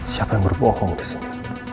siapa yang berbohong ke sini